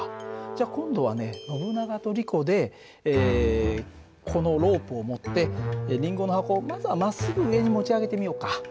じゃ今度はねノブナガとリコでこのロープを持ってりんごの箱をまずはまっすぐ上に持ち上げてみようか。